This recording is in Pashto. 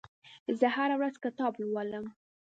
زه هره ورځ کتابونه لولم.